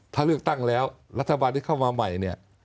ถ้าเลือกตั้งแล้วรัฐบาลที่เข้ามาใหม่เนี่ย